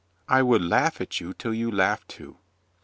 "I would laugh at you till you laugh too."